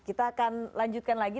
kita akan lanjutkan lagi